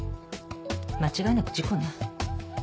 間違いなく事故ね。